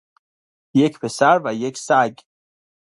یک پسر و یک سگ